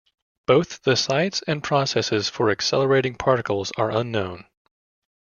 Both the sites and processes for accelerating particles are unknown.